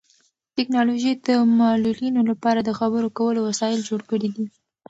ټیکنالوژي د معلولینو لپاره د خبرو کولو وسایل جوړ کړي دي.